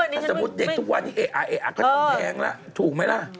ถ้าสมมุติเด็กทุกวันนี้เอ๊ะก็ทำแท้งล่ะถูกไหมล่ะ